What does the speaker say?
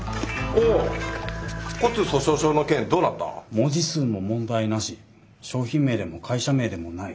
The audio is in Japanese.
文字数も問題なし商品名でも会社名でもない。